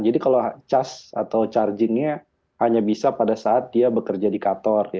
jadi kalau charge atau chargingnya hanya bisa pada saat dia bekerja di kator